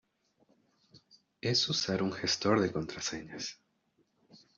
es usar un gestor de contraseñas